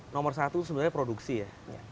nomor satu sebenarnya produksi ya